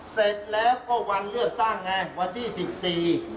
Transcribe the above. เสร็จแล้วก็วันเลือกตั้งไงวันที่สิบสี่